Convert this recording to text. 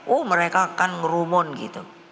oh mereka akan ngerumun gitu